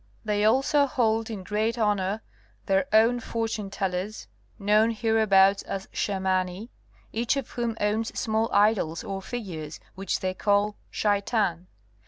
They also hold in great honor their own fortunetellers, known hereabouts as shamani, each of whom owns small idols or figures which they call shaitan.